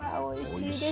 おいしい。